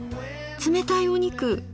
冷たいお肉。